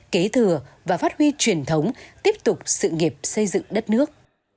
kế thừa và phát huy truyền thống tiếp tục sự nghiệp xây dựng đất nước